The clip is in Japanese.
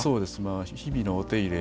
日々のお手入れ